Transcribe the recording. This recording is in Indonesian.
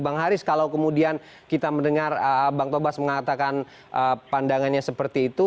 bang haris kalau kemudian kita mendengar bang tobas mengatakan pandangannya seperti itu